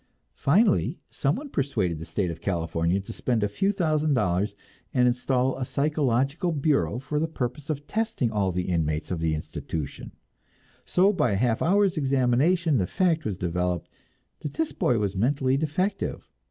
Finally someone persuaded the state of California to spend a few thousand dollars and install a psychological bureau for the purpose of testing all the inmates of the institution; so by a half hour's examination the fact was developed that this boy was mentally defective.